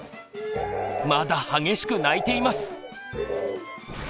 まだ激しく泣いています。